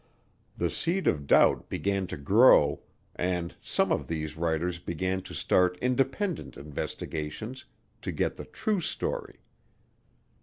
The seed of doubt began to grow, and some of these writers began to start "independent investigations" to get the "true" story.